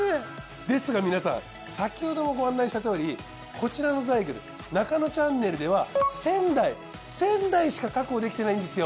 ですが皆さん先ほどもご案内したとおりこちらのザイグル『ナカノチャンネル』では１，０００台１，０００台しか確保できてないんですよ。